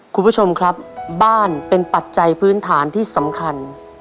คุณผู้ชมครับบ้านเป็นปัจจัยพื้นฐานที่สำคัญ